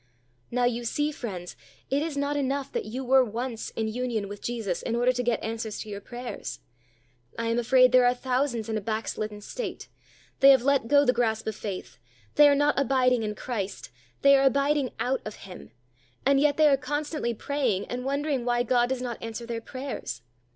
Now, you see, friends, it is not enough that you were once in union with Jesus, in order to get answers to your prayers. I am afraid there are thousands in a backslidden state. They have let go the grasp of faith; they are not abiding in Christ; they are abiding out of Him, and yet they are constantly praying and wondering why God does not answer their prayers.